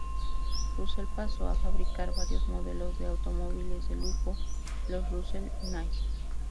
Russell pasó a fabricar varios modelos de automóviles de lujo, los Russell-Knight.